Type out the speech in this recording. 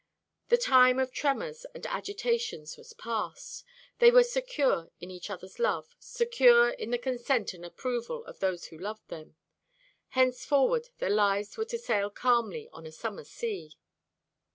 The time of tremors and agitations was past. They were secure in each other's love, secure in the consent and approval of those who loved them. Henceforward their lives were to sail calmly on a summer sea.